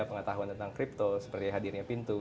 pengetahuan tentang kripto seperti hadirnya pintu